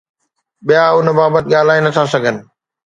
ٻيا ان بابت ڳالهائي نٿا سگهن.